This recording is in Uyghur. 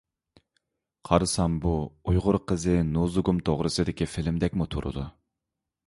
قارىسام بۇ ئۇيغۇر قىزى نۇزۇگۇم توغرىسىدىكى فىلىمدەكمۇ تۇرىدۇ.